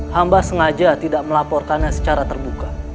hamba sengaja tidak melaporkannya secara terbuka